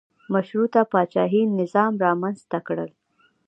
مشروطه پاچاهي نظام رامنځته کړل.